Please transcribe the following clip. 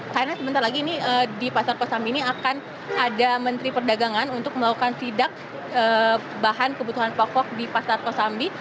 karena sebentar lagi di pasar kosambi ini akan ada menteri perdagangan untuk melakukan sidak bahan kebutuhan pokok di pasar kosambi